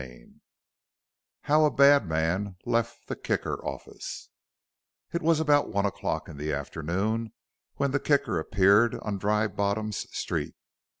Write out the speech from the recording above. CHAPTER IX HOW A BAD MAN LEFT THE "KICKER" OFFICE It was about one o'clock in the afternoon when the Kicker appeared on Dry Bottom's street.